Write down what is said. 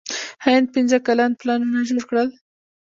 هند پنځه کلن پلانونه جوړ کړل.